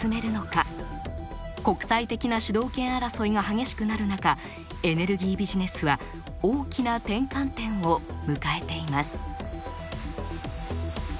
国際的な主導権争いが激しくなる中エネルギービジネスは大きな転換点を迎えています。